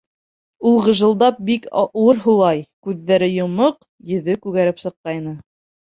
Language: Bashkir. Ул ғыжылдап бик ауыр һулай, күҙҙәре йомоҡ, йөҙө күгәреп сыҡҡайны.